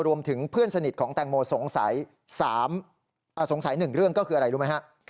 เพื่อนสนิทของแตงโมสงสัย๑เรื่องก็คืออะไรรู้ไหมฮะ